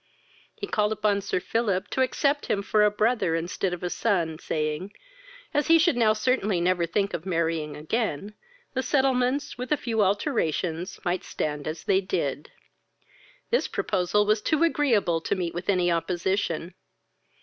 He called upon Sir Philip to accept him for a brother instead of a son, saying, as he should now certainly never think of marrying again, the settlements, with a few alterations, might stand as they did. This proposal was too agreeable to meet with any opposition.